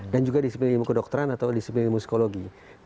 dan juga disiplin ilmu kedokteran atau disiplin ilmu psikologi